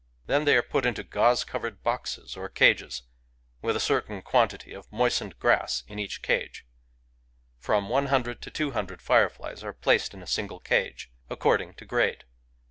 Then they are put into gauze covered boxes or cages, with a certain quantity of moistened grass in each cage. From one hundred to two hundred fireflies are placed in a single cage, Digitized by Googk FIREFLIES 147 according to grade.